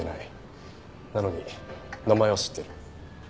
なのに名前は知っている。